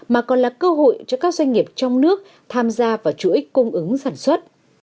mà còn là cơ hội cho các doanh nghiệp trong nước tham gia vào chuỗi cung ứng sản xuất